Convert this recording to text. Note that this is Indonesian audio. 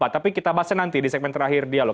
tapi kita bahasnya nanti di segmen terakhir dialog